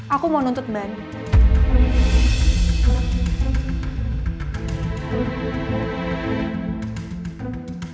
aku mau nuntut mbak andin